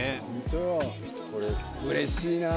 うれしいなぁ！